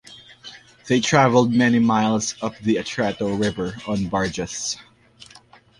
They travelled many miles up the Atrato River on barges.